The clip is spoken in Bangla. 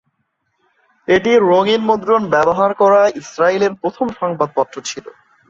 এটি রঙিন মুদ্রণ ব্যবহার করা ইসরায়েলের প্রথম সংবাদপত্র ছিল।